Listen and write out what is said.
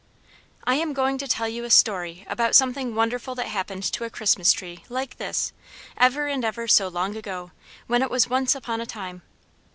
] I am going to tell you a story about something wonderful that happened to a Christmas Tree like this, ever and ever so long ago, when it was once upon a time.